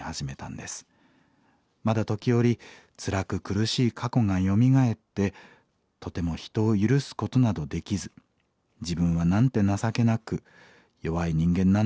まだ時折つらく苦しい過去がよみがえってとても人を許すことなどできず自分はなんて情けなく弱い人間なのかと引きずっています。